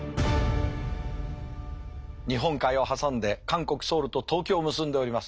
日本海を挟んで韓国・ソウルと東京を結んでおります。